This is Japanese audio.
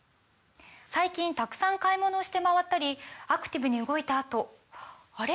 最近たくさん買い物をして回ったりアクティブに動いたあとあれ？